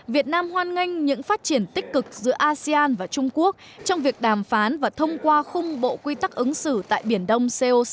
việt nam hoan nghênh những phát triển tích cực giữa asean và trung quốc trong việc đàm phán và thông qua khung bộ quy tắc ứng xử tại biển đông coc